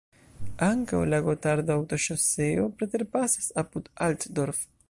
Ankaŭ la Gotardo-autoŝoseo preterpasas apud Altdorf.